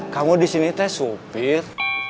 kamu disini teh supir